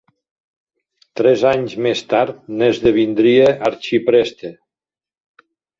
Tres anys més tard n'esdevindria arxipreste.